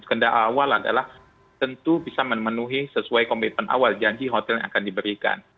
kenda awal adalah tentu bisa memenuhi sesuai komitmen awal janji hotel yang akan diberikan